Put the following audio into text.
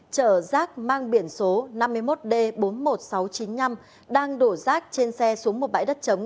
chở rác mang biển số năm mươi một d bốn mươi một nghìn sáu trăm chín mươi năm đang đổ rác trên xe xuống một bãi đất chống